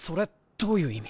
どういう意味？